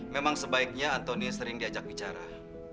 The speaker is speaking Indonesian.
memang sebaiknya antoni sering diajak bicara